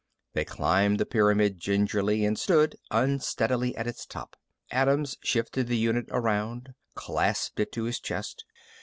They climbed the pyramid gingerly and stood unsteadily at its top. Adams shifted the unit around, clasped it to his chest.